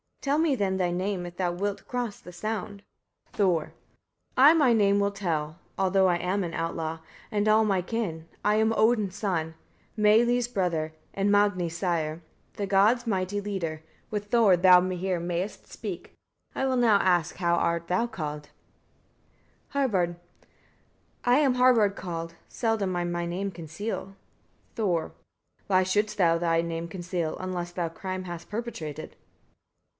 Tell me then thy name, if thou wilt cross the sound. Thor. 9. I my name will tell, (although I am an outlaw) and all my kin: I am Odin's son, Meili's brother, and Magni's sire, the gods' mighty leader: With Thor thou here mayest speak. I will now ask how thou art called. Harbard. 10. I am Harbard called; seldom I my name conceal. Thor. 11. Why shouldst thou thy name conceal, unless thou crime hast perpetrated?